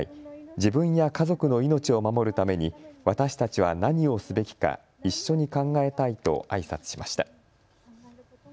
自分や家族の命を守るために私たちは何をすべきか一緒に考えたいとあいさつしました。